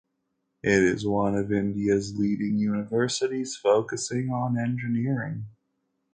It is one of India's leading universities focusing on engineering.